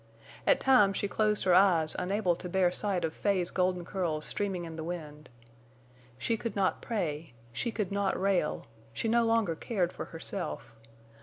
At times she closed her eyes unable to bear sight of Fay's golden curls streaming in the wind. She could not pray; she could not rail; she no longer cared for herself.